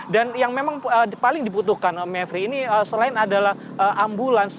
dan yang memang paling diputuhkan mavri ini selain adalah ambulans